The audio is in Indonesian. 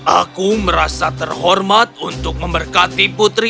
aku merasa terhormat untuk memberkati putri